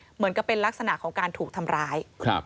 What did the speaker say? เหมือนกับเป็นลักษณะของการถูกทำร้าย